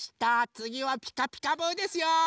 つぎは「ピカピカブ！」ですよ。